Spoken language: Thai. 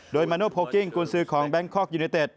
โดยมนุษย์โพลกิ้งกูลซื้อของแบงค์คอร์กยูเนตเต็ด